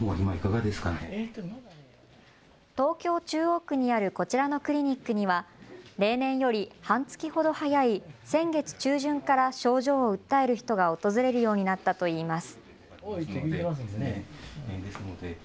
東京中央区にあるこちらのクリニックには例年より半月ほど早い先月中旬から症状を訴える人が訪れるようになったといいます。